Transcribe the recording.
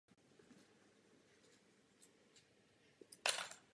Cílem je zvýšit povědomí o tématu změny klimatu.